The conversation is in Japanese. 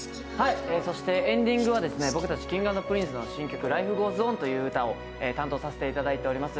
そしてエンディングは僕たちＫｉｎｇ＆Ｐｒｉｎｃｅの新曲「ライフ・ゴーズ・オン」という歌を担当させていただいています。